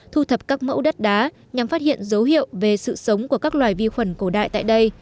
thu thập các mẫu đất đá nhằm phát hiện dấu hiệu về sự sống của các loài vi khuẩn cổ đại tại đây